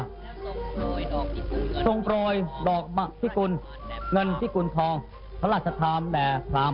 และส่งปล่อยดอกบะธิกุลเงินธิกุลทองพระราชธรรมแด่พราม